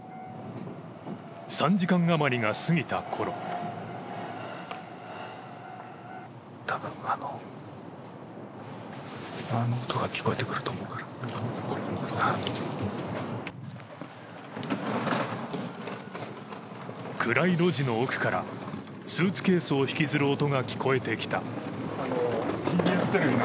３時間余りが過ぎた頃暗い路地の奥からスーツケースを引きずる音が聞こえてきた。